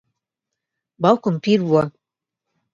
باوکم پیر بووە.